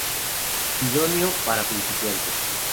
Idóneo para principiantes.